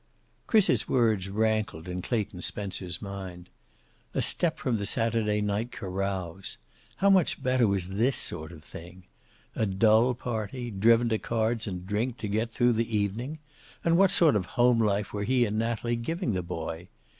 Chris's words rankled in Clayton Spencer's mind. A step from the Saturday night carouse. How much better was this sort of thing? A dull party, driven to cards and drink to get through the evening. And what sort of home life were he and Natalie giving the boy?